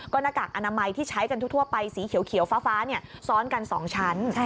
หน้ากากอนามัยที่ใช้กันทั่วไปสีเขียวฟ้าซ้อนกัน๒ชั้น